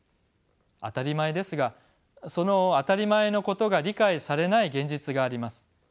当たり前ですがその当たり前のことが理解されない現実があります。